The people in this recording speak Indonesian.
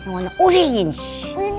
yang warna orange